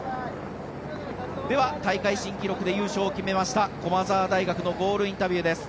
では、大会新記録で優勝を決めました駒澤大学のゴールインタビューです。